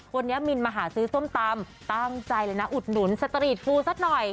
วันนี้มินมาหาซื้อส้มตำตั้งใจเลยนะอุดหนุนสตรีทฟูสักหน่อย